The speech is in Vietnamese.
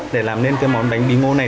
để làm nên cái món bánh bí ngô này